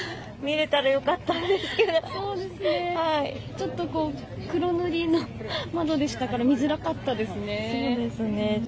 ちょっと黒塗りの窓でしたから見づらかったですね。